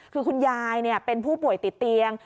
คือคุณยายเป็นผู้ป่วยติดเตียง